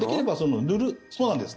そうなんです。